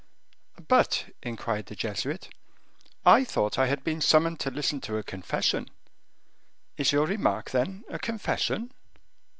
"But," inquired the Jesuit, "I thought I had been summoned to listen to a confession. Is your remark, then, a confession?"